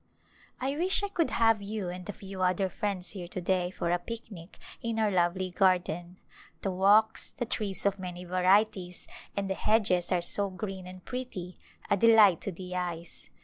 I wish I could have you and a few other friends here to day for a picnic in our lovely garden ; the walks, the trees of many varieties and the hedges are so green and pretty, a delight to the eyes.